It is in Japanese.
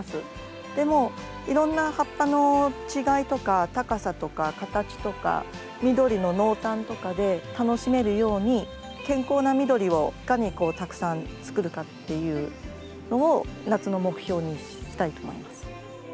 でもいろんな葉っぱの違いとか高さとか形とか緑の濃淡とかで楽しめるように健康な緑をいかにたくさんつくるかっていうのを夏の目標にしたいと思います。